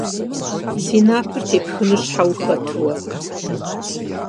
Си напэр тепхыну щхьэ ухэт уэ?